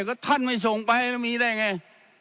ก็ท่านไม่ส่งไปแล้วมีได้ไง